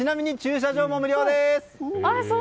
ちなみに、駐車場も無料です！